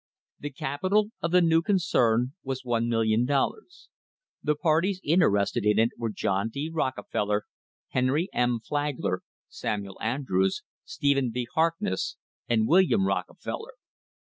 The capi tal of the new concern was $1,000,000. The parties inter ested in it were John D. Rockefeller, Henry M. Flag ler, Samuel Andrews, Stephen V. Harkness, and William Rockefeller.